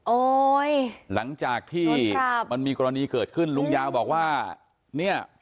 โอ้ยหลังจากตรงจากที่มันมีกรณีเกิดขึ้นลุงยาวล์บอกว่าเงี้ย